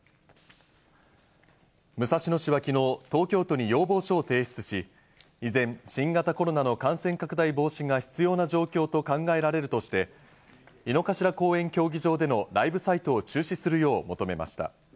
武蔵野市はきのう、東京都に要望書を提出し、依然、新型コロナの感染拡大防止が必要な状況と考えられるとして、井の頭公園競技場でのライブサイトを中止するよう求めました。